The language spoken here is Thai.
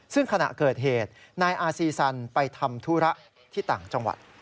ซึ่งขณะเกิดเหตุนายอาซีซันไปทำธุระที่ต่างจังหวัด